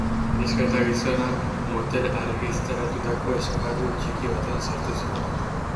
Neska eta gizona motel argiztatutako esparru txiki batean sartu ziren.